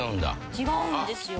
違うんですよ。